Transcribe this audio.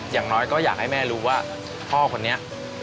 อย่างน้อยก็อยากให้แม่รู้ว่าพ่อคนนี้